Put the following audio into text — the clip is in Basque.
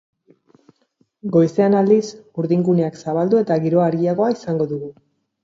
Goizean aldiz, urdin-guneak zabaldu eta giro argiagoa izango dugu.